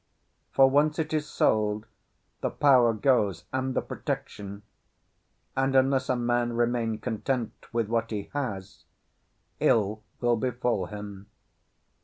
For, once it is sold, the power goes and the protection; and unless a man remain content with what he has, ill will befall him."